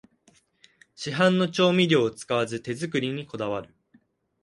市販の調味料を使わず手作りにこだわる